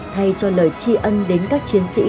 thay cho lời chi ân đến các chiến sĩ